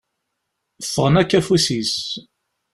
Ffɣen akk afus-is.